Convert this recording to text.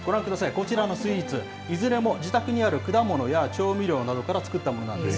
こちらのスイーツ、いずれも自宅にある果物や調味料などから作ったものなんです。